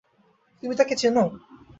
তুমি তাকে চেনো?